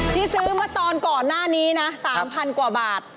ที่ซื้อเมื่อตอนก่อนหน้านี้นะ๓๐๐กว่าบาท